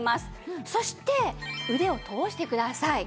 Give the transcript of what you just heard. そして腕を通してください。